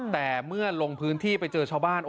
แต่เมื่อลงพื้นที่ไปเจอชาวบ้าน